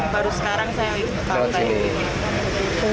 baru sekarang saya ikut